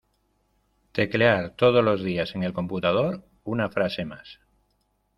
Teclear todos los dias en el computador, una frase más.